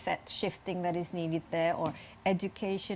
kemahiran yang diperlukan